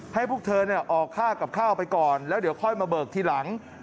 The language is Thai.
พวกเธอออกค่ากับข้าวไปก่อนแล้วเดี๋ยวค่อยมาเบิกทีหลัง